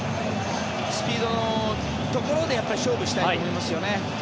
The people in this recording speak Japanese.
スピードのところで勝負したいと思いますよね。